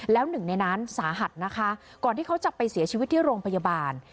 แล้วหนึ่งในนั้นสาหัสนะคะก่อนที่เขาจะไปเสียชีวิตที่โรงพยาบาล